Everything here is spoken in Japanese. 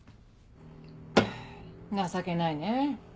情けないね。